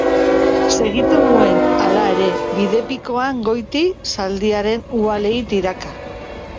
Segitu nuen, hala ere, bide pikoan goiti, zaldiaren uhalei tiraka.